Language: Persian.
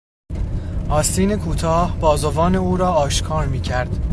آستین کوتاه بازوان او را آشکار میکرد.